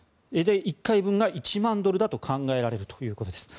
１回分が１万ドルだと考えられるということです。